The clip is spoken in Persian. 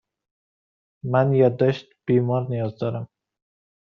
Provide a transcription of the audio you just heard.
من یادداشت بیمار نیاز دارم.